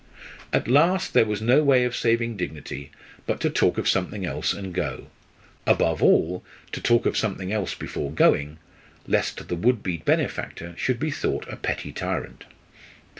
At last there was no way of saving dignity but to talk of something else and go above all, to talk of something else before going, lest the would be benefactor should be thought a petty tyrant.